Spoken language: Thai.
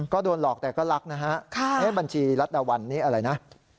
ก็โดนหลอกแต่ก็รักนะฮะบัญชีรัฐดาวันนี้อะไรนะ